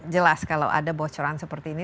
jelas kalau ada bocoran seperti ini